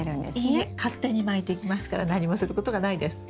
いいえ勝手に巻いていきますから何もすることがないです。